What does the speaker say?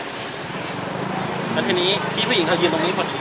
ตั้งแต่นี้พี่ผู้หญิงเธอยืนตรงนี้หมดที